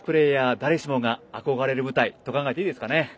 誰しもが憧れる舞台と考えていいですかね。